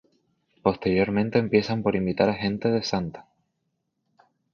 Posteriormente empiezan por invitar a gente de Sta.